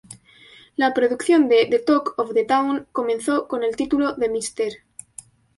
La producción de "The Talk of the Town" comenzó con el título de "Mr.